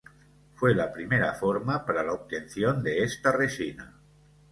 Fue la primera forma para la obtención de esta resina.